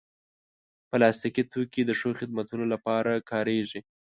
پلاستيکي توکي د ښو خدمتونو لپاره کارېږي.